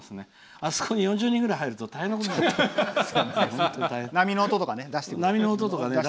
あそこに４０人ぐらい入ると大変なことになるから。